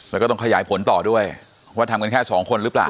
แล้วก็ต้องขยายผลต่อด้วยว่าทำกันแค่สองคนหรือเปล่า